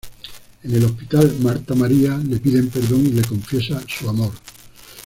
En el hospital, Marta María le pide perdón y le confiesa su amor.